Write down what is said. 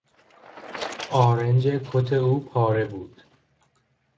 آرنج کت او پاره بود.